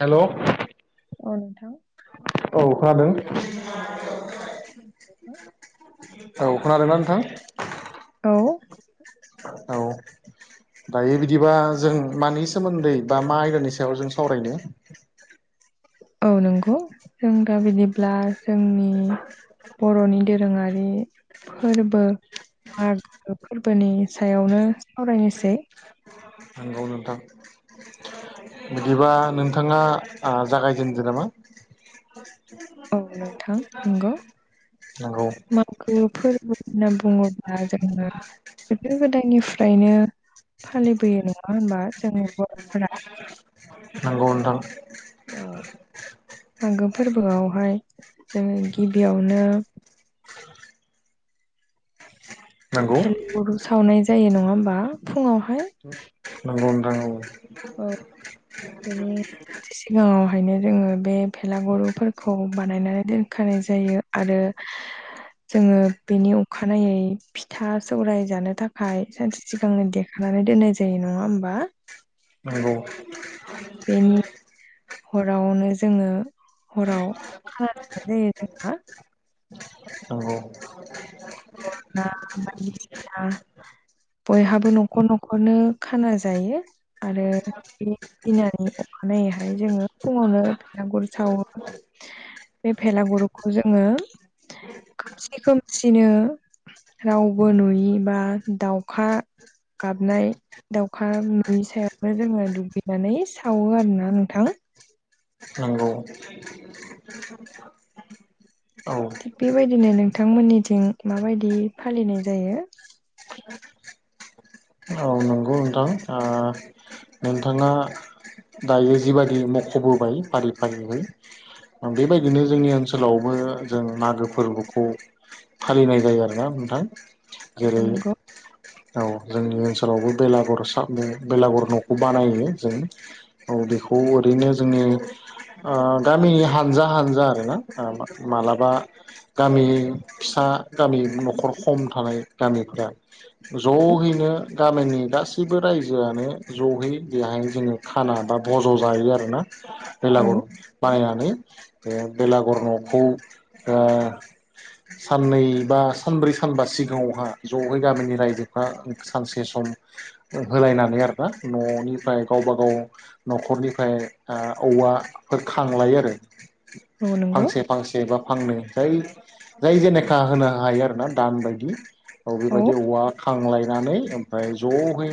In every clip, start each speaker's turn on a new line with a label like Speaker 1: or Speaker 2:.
Speaker 1: हेल' औ
Speaker 2: औ नोंथां
Speaker 1: खोनादों। औ खोनादोंना नोंथां?
Speaker 2: औ।
Speaker 1: औ। दायो बिदिबा जों मानि सोमोन्दै बा मा आयदानि सायाव जों सावरायनो?
Speaker 2: औ नंगौ जों दा बिदिब्ला जोंनि बर'नि दोरोङारि फोरबो, मागो फोरबोनि सायावनो सावरायनोसै।
Speaker 1: औ नोंथां। बिदिबा नोंथाङा जागायजेनदो नामा?
Speaker 2: औ नोंथां नंगौ।
Speaker 1: नंगौ
Speaker 2: मा गो फोरबो होनना बुङोब्ला जोंना गोदो गोदायनिफ्रायनो फालिबोयो नङा होनोमबा जोंनि बर'फोरा।
Speaker 1: नंगौ नोंथां।
Speaker 2: औ मागो फोरबोआवहाय जोङो गिबियावनो
Speaker 1: नंगौ
Speaker 2: भेलागुर सावनाय जायो नङा होमबा फुङावहाय।
Speaker 1: नंगौ नोंथां नंगौ।
Speaker 2: औ बि सिगाङावहायनो जोङो बे भेलागुरफोरखौ बानायनानै दोनखानाय जायो आरो
Speaker 1: [unintelligible]
Speaker 2: जोङो बेनि अखानायै फिथा सौराय जानो थाखाय सानसे सिगांनो दे खानानै दोननाय जायो नङा होमबा?
Speaker 1: नंगौ।
Speaker 2: बेनि हरावनो जोङो हराव खाना जानाय जायो जोंहा।
Speaker 1: नंगौ।
Speaker 2: [unintelligible] बयहाबो न'खर न'खरनो खाना जायो आरो बे फिनानै अखानायैहाय जोङो फुङावनो बेलागुर सावो। बे भेलागुरुखौ जोङो खोमसि खोमसिनो रावबो नुयि बा दाउखा गाबनाय दाउखा नुयि सायावनो जोङो दुगैनानै सावो आरोना नोंथां।
Speaker 1: नंगौ। औ
Speaker 2: थिग बेबायदिनो नोंथांमोननिथिं माबायदि फालिनाय जायो?
Speaker 1: [inaudible] औ नंगौ नोंथां। ओ नोंथाङा दायो जिबायादि मख'बोबाय फारि फारियै, बेबायदिनो जोंनि ओनसोल ओनसोलावबो जों मागो फोरबोखौ फालिनाय जायो आरोना नोंथां।
Speaker 2: औ
Speaker 1: जेरै
Speaker 2: नंगौ
Speaker 1: औ जोंनि ओनसोलावबो बेलागुर साव बेलागुर न'खौ बानायो जों। औ बेखौ ओरैनो जोङो गामिनि हानजा हानजा आरोना मालाबा गामि फिसा गामि न'खर खम थानाय गामिफ्रा
Speaker 2: औ
Speaker 1: जहैनो गामिनि गासैबो रायजोआनो ज'यै बेहाय जोङो खाना बा बज' जायो आरोना
Speaker 2: औ
Speaker 1: बेलागुर बायनानै बेलागुर न'खौ ओ साननै बा सानब्रै सानबा सिगाङावहा जयै गामिनि रायजोफ्रा सानसे सम होलायनानै आरोना न'निफ्राय गावबा गाव न'खरनिफ्राय औवाफोर खांलायो आरो
Speaker 2: औ नंगौ
Speaker 1: फांसे फांसे बा फांनै जाय जाय जेनेखा होनो हायो आरोना दान बायदि। औ बेबायदि औवा खांलायनानै ओमफ्राय ज'है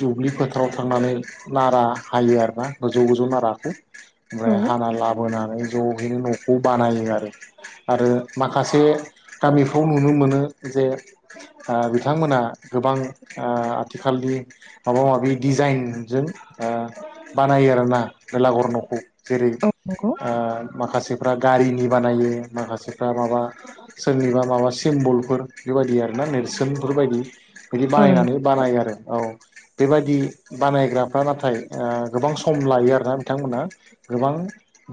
Speaker 1: दुब्लि फोथाराव थांनानै नारा हायो आरोना गोजौ गोजौ नारखौ
Speaker 2: औ
Speaker 1: ओमफ्राय हाना लाबोनानै जयैनो न'खौ बानायो आरो। आरो माखासे गामिफ्राव नुनो मोनो जे ओ बिथांमोना गोबां ओ आथिखालनि माबा माबि दिजाइनजों ओ बानायो आरोना बेलागर न'खौ जेरै
Speaker 2: औ नंगौ
Speaker 1: ओ माखासेफ्रा गारिनि बानायो माखासेफ्रा माबा सोरनिबा माबा सिम्बलफोर बेबायदि आरो ना नेरसोनफोरबायदि। बिदि
Speaker 2: औ
Speaker 1: बानायनानै
Speaker 2: नोंथां
Speaker 1: बानायो आरो औ बेबायदि बानायग्रा। नाथाय ओ गोबां सम लायो आरोना बिथांमोना गोबां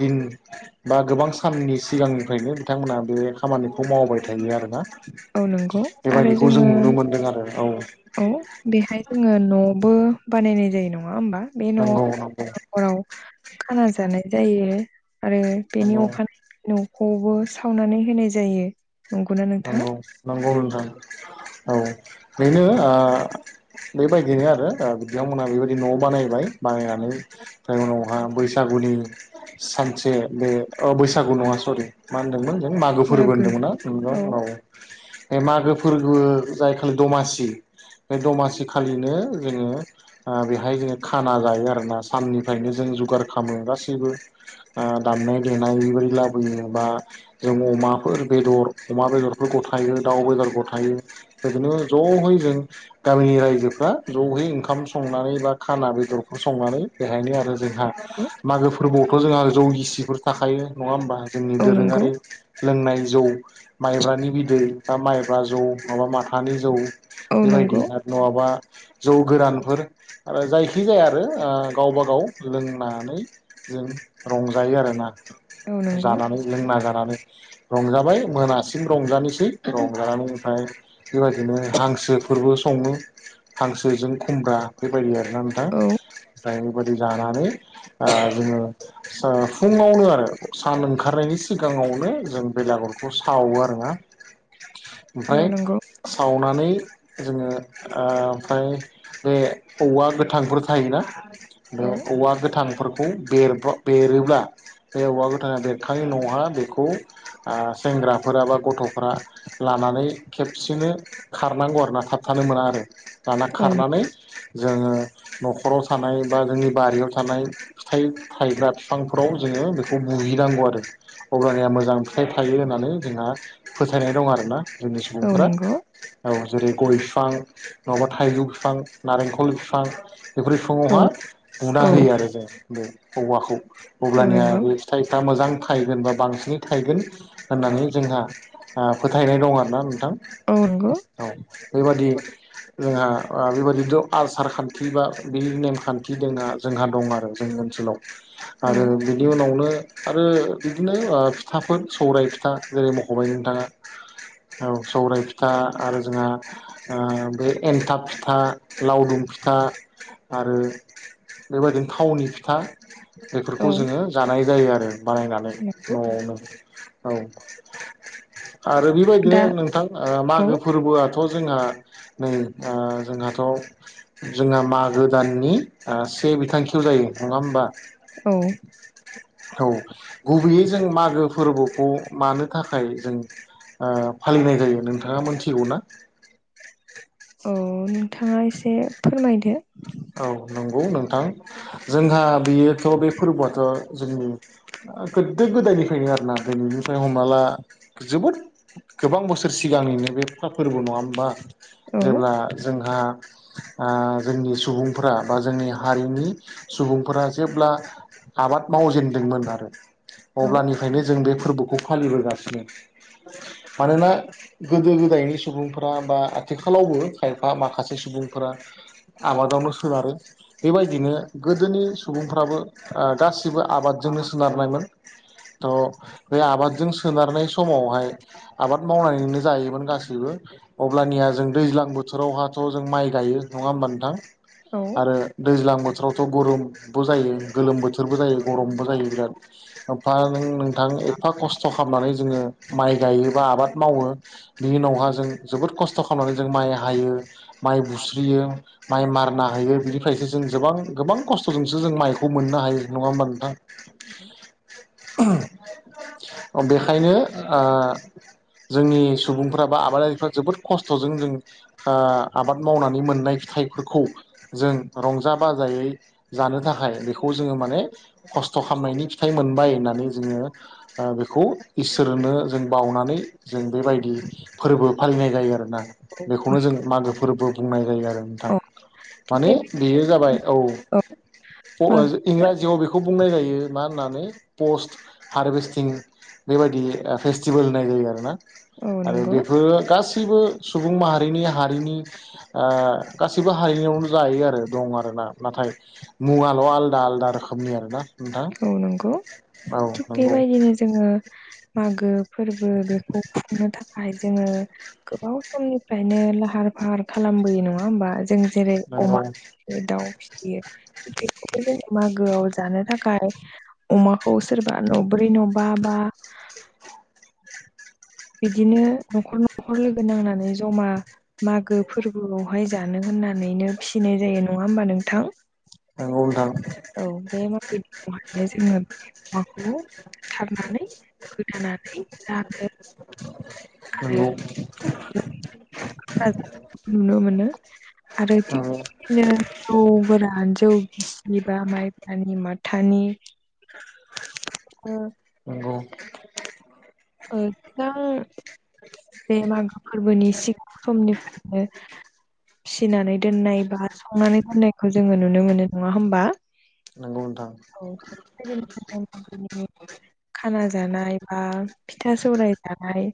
Speaker 1: दिन बा गोबां साननि सिगांनिफ्रायनो बिथांमोना बे खामानिखौ मावबाय थायो आरोना।
Speaker 2: औ नंगौ आरो
Speaker 1: बेबायदिखौ
Speaker 2: जोङो
Speaker 1: जों नुनो मोनदों आरो औ।
Speaker 2: औ बेहाय जोङो न'बो बानायनाय जायो नङा होमबा।
Speaker 1: नंगौ।
Speaker 2: नखराव खाना जानाय जायो आरो बेनि
Speaker 1: नंगौ
Speaker 2: अखानायै न'खौबो सावनानै होनाय जायो। नंगौना नोंथां
Speaker 1: नांगौ नांगौ होनदों औ बेनो ओ बेबायदिनो आरो बिथांमोनहा बेबायदि न' बानायबाय बानायनानै ओमफ्राय उनावहा बैसागुनि सानसे बे अ बैसागु नङा सरि। मा होन्दोंमोन जों मागो फोरबो होनदोंमोन
Speaker 2: औ
Speaker 1: ना [unintelligible] बे मागो फोरबो जाय खालि दमासि। बे दमासि खालिनो जोङो ओ बेहाय जोङो खाना जायो आरोना साननिफ्रायनो जों जगार खालामो गासैबो। ओ दामनाय देनाय बेबायदि लाबोयो बा जों अमाफोर बेदर। अमा बेदरफोरखौ थायो दाउ बेदरखौ थायो बिदिनो ज'यै जों गामिनि रायजोफ्रा ज'यै ओंखाम संनानै बा खाना बेदरफोर संनानै बेहायनो आरो जोंहा
Speaker 2: औ
Speaker 1: मागो फोरबोआवथ' जोंहा जौ गिसि थाखायो नङा होमबा जोंनि
Speaker 2: औ नंगौ
Speaker 1: दोरोङारि लोंनाय जौ माइब्रानि बिदै बा माइब्रा जौ माबा माथानि जौ
Speaker 2: औ नंगौ
Speaker 1: बेबायदि आरो। नङाबा। जौ गोरानफोर आरो जायखि जाया आरो ओ गावबा गाव लोंनानै जों रंजायो आरो ना।
Speaker 2: औ नंगौ
Speaker 1: जानानै लोंना जानानै रंजाबाय मोना सिम रंजानोसै रंजानानै ओमफ्राय बेबायदिनो हांसोफोरबो सङो। हांसोजों खमब्रा बेबायदि आरोना नोंथां।
Speaker 2: औ
Speaker 1: [unintelligible] जानानै ओ जोङो फुङावनो आरो सान ओंखारनायनि सिगाङावनो जों बेलागरखौ सावो आरो। नङा
Speaker 2: औ
Speaker 1: ओमफ्राय
Speaker 2: नंगौ
Speaker 1: सावनानै जोङो ओ ओमफ्राय बे औवा गोथांफोर थायोना बे
Speaker 2: औ
Speaker 1: औवा गोथां। खौ [unintelligible] बेरोब्ला बे औवा गोथाङा बेरखाङै न'आवहा बेखौ ओ सेंग्राफोराबा गथ'फ्रा लानानै खेबसेनो खारनांगौ आरो ना थाबथानो मोना आरो। लाना
Speaker 2: औ नं-
Speaker 1: खारनानै जोङो न'खराव थानाय बा जोंनि बारियाव थानाय फिथाइ थायग्रा बिफांफोराव जोङो बेखौ बुहैनांगौ आरो। अब्लानिया मोजां फिथाइ थायो होननानै जोंहा फोथायनाय दं आरोना जोंनि
Speaker 2: औ
Speaker 1: सुबुंफोरा।
Speaker 2: नंगौ
Speaker 1: औ जेरै गय बिफां नङाबा थाइजौ बिफां नारेंखल बिफां। बेफोर
Speaker 2: औ
Speaker 1: फिफाङावहा बुना
Speaker 2: औ
Speaker 1: होयो आरो जों औवाखौ
Speaker 2: औ
Speaker 1: अब्लानिया
Speaker 2: नंगौ
Speaker 1: बे फिथाइ दा मोजां थायगोन बा बांसिनै थायगोन होननानै जोंहा ओ फोथायनाय दं आरो ना नोंथां।
Speaker 2: नग
Speaker 1: औ बेबादि जोंहा बेबायाददिथ' आसार खान्थि बा बे नेमखान्थि दोंना जोंहा दं आरो जोंनि ओनसोलाव
Speaker 2: औ
Speaker 1: आरो बिनि उनावनो आरो बिदिनो फिथाफोर सौरायाइ फिथा जेरै म खबाइ नोंथाङा औ सौरायाइ फिथा आरो जोंहा बे एन्थाब फिथा लावदुम फिथा आरो बेबायदिनो थावनि फिथा
Speaker 2: औ
Speaker 1: बेफोरखौ जोङो जानाय जायो आरो बानायनानै
Speaker 2: नंगौ
Speaker 1: न'आवनो औ आरो बेबायदिनो
Speaker 2: दा
Speaker 1: नोंथां
Speaker 2: औ
Speaker 1: मागो फोरबोआ दाथ' जोंहा नै जोंहाथ' जोंहा मागो दाननि से बिथांखियाव जायो नङा होमबा
Speaker 2: औ
Speaker 1: औ गुबैयै जों मागो फोरबोखौ मानो थाखाय थाखाय जों फालिनाय जायो नोंथाङा मोनथिगौ ना
Speaker 2: औ नोंथाङा एसे फोरमायदो
Speaker 1: औ नंगौ नोंथां जोंहा बियोथ' बे फोरबोआथ' जोंनि गोदो गोदायनिफ्रायनो आरोोना दिनैनिफ्राय हमनाला जोबोद गोबां बोसोर सिगांनिनो बे खखा फोरबो नङा होमबा
Speaker 2: औ
Speaker 1: जेब्ला जोंहा जोंनि सुबुंफोरा बा जोंनि हारिनि सुबुंफोरा जेब्ला आबाद मावजेनदोंमोन आरो
Speaker 2: औ
Speaker 1: अब्लानिफ्रायनो जों बे फोरबोखौ फालिबोगासिनो मानोना गोदो गोदायनि सुबुंफोरा बा आथिखालावबो खायफा माखासे सुबुंफोरा आबादावनो सोनारो बेबायदिनो गोदोनि सुबुंफ्राबो गासैबो गासिबो आबादजोंनो सोनारनायमोन थह बे आबादजों सोनारनाय समावहाय आबाद मावनानैनो जायोमोन गासैबो अब्लानिया जों दैज्लां बोथोरावहाथ' जों माइ गायो नङा ह होनोमबा नोंथां
Speaker 2: औ
Speaker 1: आरो दैज्लां बोथोरावथ' गरमबो जायो गोलोम बोथोरबो जायो गरमबो जायो बिराद ओमफा नों गोथां एफा खस्थ' खालामनानै जोङो माइ गायो बा आबाद मावो बिनि उनावहा जों जोबोद खस्थ' खालामनानै जों माइ हायो माइ बुस्रियो माइ मारना होयो बिनिफ्रायसो जों गोबां गोबां खस्थ'जोंसो जों माइखौ मोननो हायो नङा होमबा नोंथां
Speaker 2: उ
Speaker 1: [inaudible] बेखायनो जोंनि सुबुंफ्रा बा आबादारिफ्रा जोबोद खस्थ'जों जों आबाद मावनानै मोननाय फिथाइ फोरखौ जों रंजा बाजायै जानो थाखाय बेखौ जोङो माने खस्थ' खालामनायनि फिथाइ मोनबाय होननानै जोङो बेखौ इसोरनो जों बावनानै जों बेबायदि फोरबो फालिनाय जायो आरोोना बेखौनो जों मागो फोरबो बुंनाय जायो आरो
Speaker 2: औ थिग
Speaker 1: माने
Speaker 2: बे
Speaker 1: बेयो जाबाय औ
Speaker 2: मागो
Speaker 1: इंराजियाव बेखौ बुंनाय जायो मा होननानै पस्ट हारभेस्टिं बेबायाददि फेस्टिभेल होननाय जायो आरोना
Speaker 2: औ
Speaker 1: आरो
Speaker 2: नंगौ
Speaker 1: बेफोरो गासैबो सुबुं माहारिनि हारिनि ग गाससिबो हारिनियावनो जायो आरो दं आर ना नाथाय मुवाल' आलदा आलदा रोखोमनि आर ना नोंथां
Speaker 2: औ नंगौ
Speaker 1: औ
Speaker 2: थिग
Speaker 1: नंगौ
Speaker 2: बेबायदिनो जोङो मागो फोरबो बेखौ खुंनो थाखाय जोङो गोबाव समनिफ्रायनो लाहार फाहार खालामबोयो नङा होमबा जों जेरै
Speaker 1: नंगौ
Speaker 2: अमा फियो दाउ फिसियो थि बेखौबो जोङो मागोआव जानो थाखाय गारो अमाखौ सोरबा नब्रै नबा बा बिदिनो न'खर न'खर लोगो नांनानै जमा मागो फोरबोआवहाय जानो होननानैनो फिसिनाय जायो नङा होमबा नोंथां?
Speaker 1: नोंगौ नोंथां।
Speaker 2: औ बे मायदिखौहायनो जोङो माखौ सारनानै गोदानानै रानो।
Speaker 1: नंगौ
Speaker 2: आरो [unintelligible] नुनो मोनो आरोदि
Speaker 1: नंगौ
Speaker 2: बिदिनो जौ गोरा जौ गिसिबा माइफोरानि माथानि
Speaker 1: [inaudible]
Speaker 2: अ
Speaker 1: औ
Speaker 2: एदिनो बे मागो फोरबोनि सिगां समनिफ्रायनो फिनानै दोननाय बा संनानै दोननायखौ जोङो नुनो मोनो नङा होमबा?
Speaker 1: नोंगौ नोंथां।
Speaker 2: [unintelligible] खाना जानाय बा फिथा सौराय जाबाय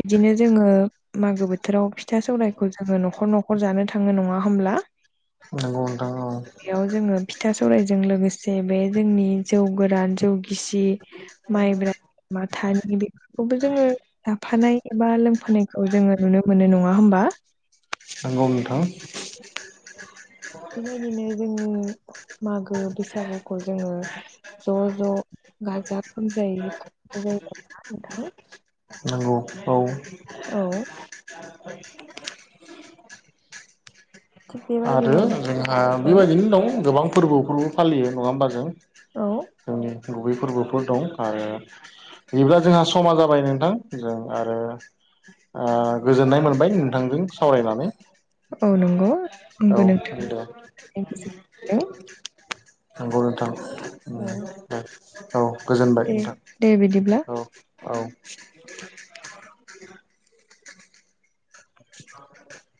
Speaker 2: बिदिनो जोङो मागो बोथोराव फिथा सौरायखौ जोङो न'खर न'खर जानो थाङो नङा होमब्ला?
Speaker 1: नंगौ नोंथां औ
Speaker 2: बेयाव जोङो फिथा सौरायजों लोगोसे बे जोंनि जौ गोरान जौ गिसि माइब्रायनि माथानि बेफोरखौबो जोङो लाफानाय एबा लोंफानायखौ जोङो नुनो मोनो नङा होमबा?
Speaker 1: नंगौ नोंथां।
Speaker 2: बेबायदिनो जोंनि मागो बैसागुखौ जोङो ज' ज' गाजा गोमजायै [unintelligible] ना नोंथां?
Speaker 1: नांगौ औ।
Speaker 2: औ।
Speaker 1: [inaudible]
Speaker 2: थिग
Speaker 1: आरो
Speaker 2: बेबायदिनो
Speaker 1: जोंहा
Speaker 2: औ
Speaker 1: बेबायदिनो दं गोबां फोरबोफोरबो फालियो नङा होमब जों।
Speaker 2: औ
Speaker 1: जोंनि गुबै फोरबोफोर दं आरो बिब्ला जोंहा समा जाबाय नोंथां जों आरो गोजोननाय मोनबाय नोंथांजों सावरायनानै।
Speaker 2: औ नंगौ।
Speaker 1: औ
Speaker 2: आंबो नोंथां
Speaker 1: दे नंगौ नोंथां।
Speaker 2: औ
Speaker 1: दे औ गोजोनबाय
Speaker 2: दे
Speaker 1: नोंथां।
Speaker 2: दे बिदिब्ला।
Speaker 1: औ। औ [inaudible]